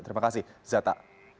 terima kasih zata